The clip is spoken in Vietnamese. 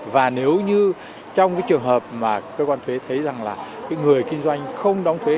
và nếu như trong trường hợp mà cơ quan thuế thấy rằng là người kinh doanh không đóng thuế